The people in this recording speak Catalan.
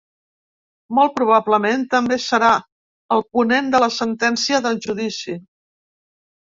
Molt probablement, també serà el ponent de la sentència del judici.